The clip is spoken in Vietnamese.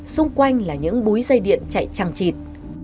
xung quanh là những búi dây điện chạy trăng trịt